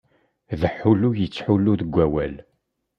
D aḥullu i yettḥullu deg wawal.